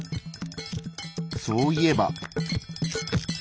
そういえば。